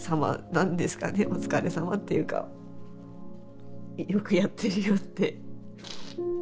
お疲れさまっていうかよくやってるよって。